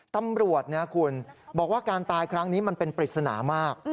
ตำรวจนะคุณบอกว่าการตายครั้งนี้มันเป็นปริศนามาก